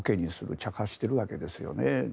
茶化しているわけですよね。